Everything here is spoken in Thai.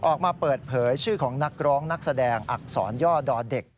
ออกมาเปิดเผยชื่อของนักร้องนักแสดงอักษรย่อดอเด็ก